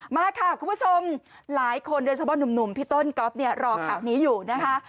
มาค่ะคุณผู้ชมหลายคนโดยเฉพาะหนุ่มพี่ต้นก๊อฟเนี่ยรอข่าวนี้อยู่นะคะ